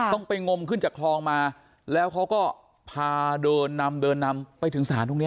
ต้องไปงมขึ้นจากคลองมาแล้วเขาก็พาเดินนำเดินนำไปถึงศาลตรงนี้